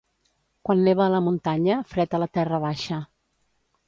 Quan neva a la muntanya, fred a la terra baixa.